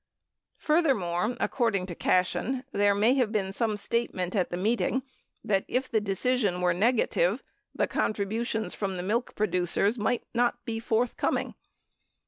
33 Furthermore, according to Cashen, there may have been some statement at the meeting that if the decision were negative, the con tributions from the milk producers might not be forthcoming.